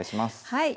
はい。